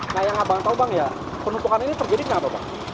nah yang abang tahu bang ya penumpukan ini terjadinya apa bang